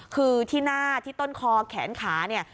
คือที่หน้าที่ต้นคอแขนขาเนี่ย